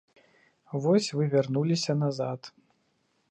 Вось вы вярнуліся назад.